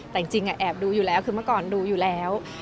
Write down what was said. แต่จริงแอบดูอยู่แล้วคือเมื่อก่อนดูอยู่แล้ว